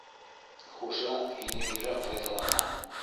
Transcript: Хужа һине һирәк файҙалана.